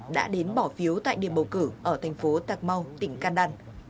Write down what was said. đã đến bỏ phiếu tại điểm bầu cử ở thành phố tạc mau tỉnh can đan